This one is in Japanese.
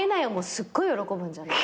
すっごい喜ぶんじゃない？